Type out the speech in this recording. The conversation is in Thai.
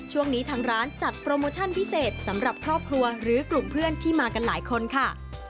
ทางร้านจัดโปรโมชั่นพิเศษสำหรับครอบครัวหรือกลุ่มเพื่อนที่มากันหลายคนค่ะ